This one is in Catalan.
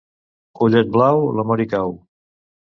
Ullet blau, l'amor hi cau.